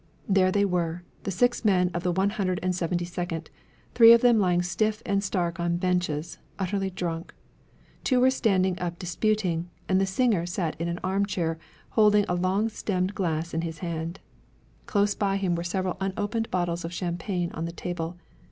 There they were, the six men of the One Hundred and Seventy Second, three of them lying stiff and stark on benches, utterly drunk. Two were standing up disputing, and the singer sat in an armchair, holding a long stemmed glass in his hand. Close by him were several unopened bottles of champagne on the table.